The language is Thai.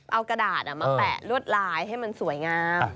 เอากระดาษมาแปะลวดลายให้มันสวยงาม